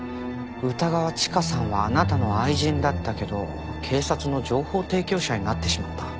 歌川チカさんはあなたの愛人だったけど警察の情報提供者になってしまった。